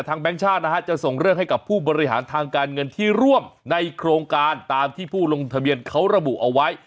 แบงค์ชาตินะฮะจะส่งเรื่องให้กับผู้บริหารทางการเงินที่ร่วมในโครงการตามที่ผู้ลงทะเบียนเขาระบุเอาไว้